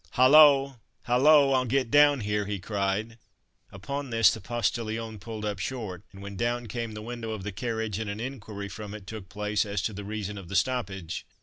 "Hallo, hallo! I'll get down here!" he cried. Upon this the postilion pulled up short, when down came the window of the carriage, and an inquiry from it took place as to the reason of the stoppage.